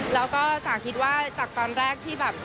แล้วก็จ๋าคิดว่าจากตอนแรกที่แบบ